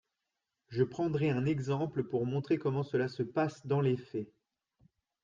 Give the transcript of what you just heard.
Je prendrai un exemple pour montrer comment cela se passe dans les faits.